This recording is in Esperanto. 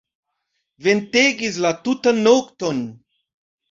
Ventegis la tutan nokton.